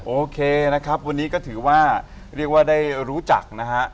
โอเคนะครับวันนี้ก็ถือว่าเรียกว่าได้รู้จักนะฮะ